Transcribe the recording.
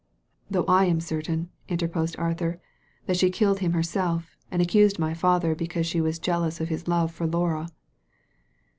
"Though I am certain," interposed Arthur, "that she killed him herself, and accused my father because she was jealous of his love for Laura."